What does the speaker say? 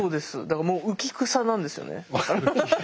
だから浮き草なんですよね。